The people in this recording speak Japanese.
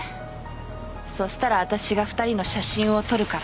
そしたら私が２人の写真を撮るから。